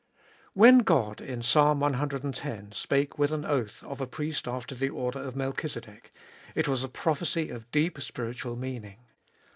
WHEN God, in Psalm ex., spake with an oath of a priest after the order of Melchizedek, it was a prophecy of deep spiritual meaning.